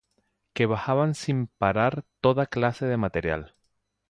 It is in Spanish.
que bajaban sin parar toda clase de material